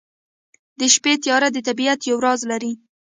د شپې تیاره د طبیعت یو راز لري.